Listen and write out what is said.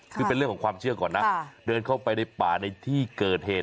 คือเป็นเรื่องของความเชื่อก่อนนะเดินเข้าไปในป่าในที่เกิดเหตุ